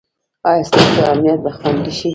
ایا ستاسو امنیت به خوندي شي؟